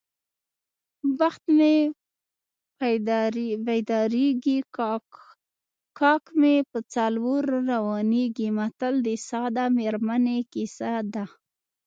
بخت مې پیدارېږي کاک مې په څلور روانېږي متل د ساده میرمنې کیسه ده